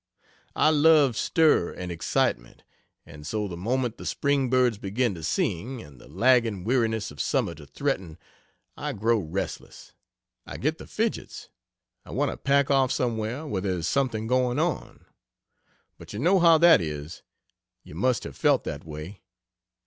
I love stir and excitement; and so the moment the spring birds begin to sing, and the lagging weariness of summer to threaten, I grow restless, I get the fidgets; I want to pack off somewhere where there's something going on. But you know how that is you must have felt that way.